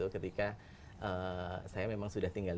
ketika saya memang sudah tinggal